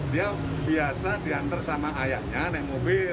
dia biasa diantar sama ayahnya naik mobil